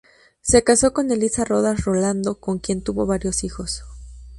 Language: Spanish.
Se casó con Elisa Rodas Rolando con quien tuvo varios hijos.